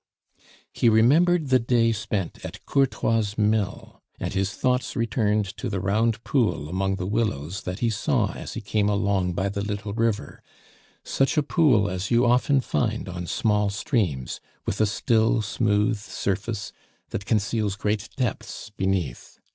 He remembered the day spent at Courtois' mill, and his thoughts returned to the round pool among the willows that he saw as he came along by the little river, such a pool as you often find on small streams, with a still, smooth surface that conceals great depths beneath.